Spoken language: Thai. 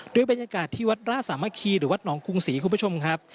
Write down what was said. โดยบรรยากาศที่วัดราชสามัคคีหรือวัดหนองกรุงศรีคุณผู้ชมครับ